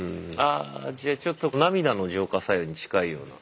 あじゃあちょっと涙の浄化作用に近いような。